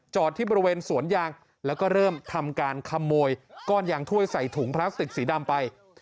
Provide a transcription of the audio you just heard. ที่บริเวณสวนยางแล้วก็เริ่มทำการขโมยก้อนยางถ้วยใส่ถุงพลาสติกสีดำไป